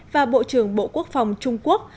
và bộ trưởng bộ quốc phòng trung quốc